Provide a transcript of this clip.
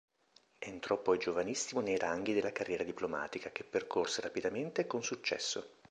Entrò poi giovanissimo nei ranghi della carriera diplomatica, che percorse rapidamente e con successo.